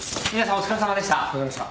お疲れさまでした。